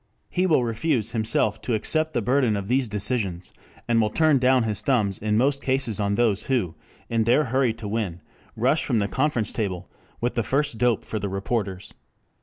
He will refuse himself to accept the burden of these decisions, and will turn down his thumbs in most cases on those who, in their hurry to win, rush from the conference table with the first dope for the reporters.